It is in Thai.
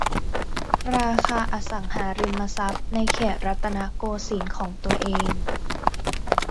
ราคาอสังหาริมทรัพย์ในเขตรัตนโกสินทร์ของตัวเอง